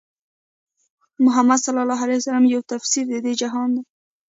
محمدص چې يو تفسير د دې جهان دی